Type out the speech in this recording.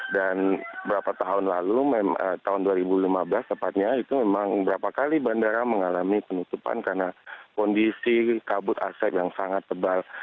dan beberapa tahun lalu tahun dua ribu lima belas tepatnya itu memang beberapa kali bandara mengalami penutupan karena kondisi kabut asap yang sangat tebal